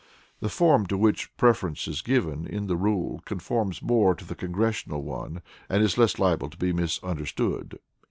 The form to which preference is given in the rule conforms more to the Congressional one, and is less liable to be misunderstood.